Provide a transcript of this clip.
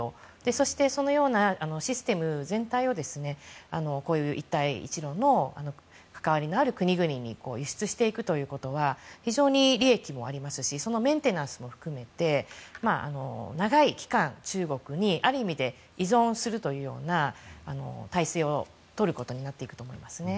そしてそのようなシステム全体を一帯一路の関わりのある国々に輸出していくということは非常に利益もありますしそのメンテナンスも含めて長い期間、中国にある意味で依存するというような体制をとることになっていくと思いますね。